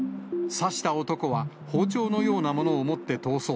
刺した男は、包丁のようなものを持って逃走。